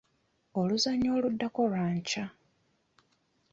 Oluzannya oluddako lwa nkya.